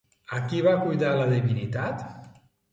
A qui va cuidar la divinitat?